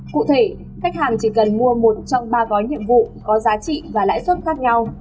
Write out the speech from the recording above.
cụ thể khách hàng chỉ cần mua một trong ba gói nhiệm vụ có giá trị và lãi suất khác nhau